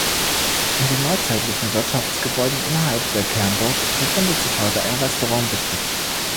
In den neuzeitlichen Wirtschaftsgebäuden innerhalb der Kernburg befindet sich heute ein Restaurantbetrieb.